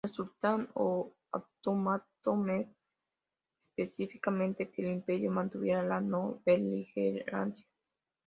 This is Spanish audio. El sultán otomano Mehmed V quería específicamente que el Imperio mantuviera la no-beligerancia.